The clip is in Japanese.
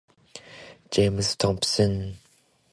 ジェームズトムプソンは数多くの殺人を犯しました。